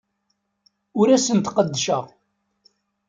Ur asen-d-qeddceɣ.